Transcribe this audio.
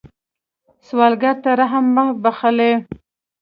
سوالګر ته رحم مه بخلئ